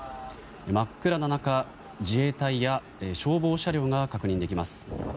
真っ暗な中、自衛隊や消防車両が確認できます。